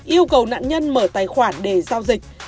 yêu cầu nạn nhân mở tài khoản để giao dịch